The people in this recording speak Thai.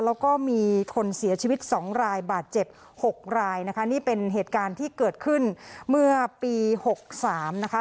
แล้วก็มีคนเสียชีวิตสองรายบาดเจ็บหกรายนะคะนี่เป็นเหตุการณ์ที่เกิดขึ้นเมื่อปีหกสามนะคะ